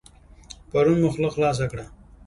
پرون مو خوله خلاصه کړه.